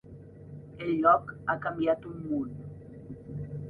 El lloc ha canviat un munt.